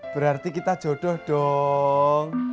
berarti kita jodoh dong